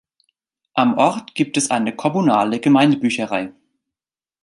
Am Ort gibt es eine kommunale Gemeindebücherei.